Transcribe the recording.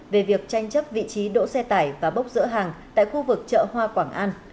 về việc tranh chấp vị trí đỗ xe tải và bốc rỡ hàng tại khu vực chợ hoa quảng an